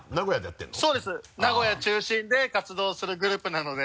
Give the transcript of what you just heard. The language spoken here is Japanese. そうです名古屋中心で活動するグループなので。